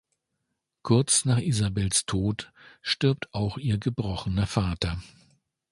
Kurz nach Isabels Tod stirbt auch ihr gebrochener Vater.